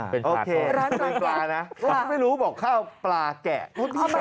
เป็นปลาก่อนนะฮะหรือเป็นปลานะไม่รู้บอกข้าวปลาแกะ